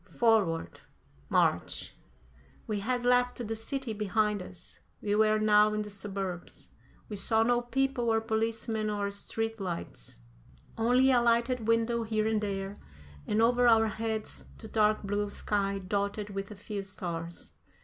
Forward! March! We had left the city behind us; we were now in the suburbs. We saw no people or policemen or street lights, only a lighted window here and there, and over our heads the dark blue sky dotted with a few stars.